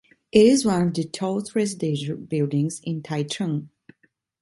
It is one of the tallest residential buildings in Taichung.